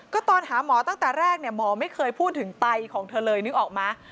ก็ตอนหาหมอตั้งแต่แรกเนี่ยหมอไม่เคยพูดถึงไตของเธอเลยนึกออกไหม